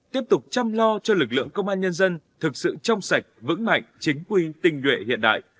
tiếp tục chăm lo cho lực lượng công an nhân dân thực sự trong sạch vững mạnh chính quy tinh nguyện hiện đại